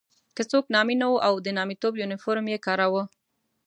که څوک نامي نه وو او د نامیتوب یونیفورم یې کاراوه.